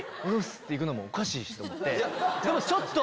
って行くのおかしいしと思って。